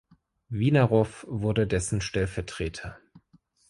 Winarow wurde dessen Stellvertreter.